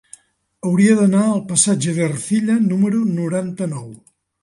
Hauria d'anar al passatge d'Ercilla número noranta-nou.